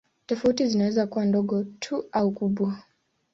Tofauti zinaweza kuwa ndogo tu au kubwa.